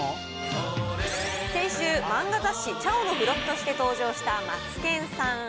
先週、漫画雑誌ちゃおの付録として登場したマツケンさん。